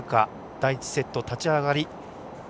第１セット立ち上がり。